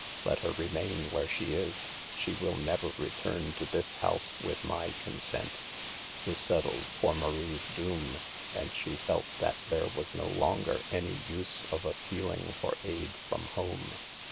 Let her remain where she is. She will never return to this house with my consent." This settled poor Marie's doom, and she felt that there was no longer any use of ap 88 SAVE THE GIRLS. pealing for aid from home.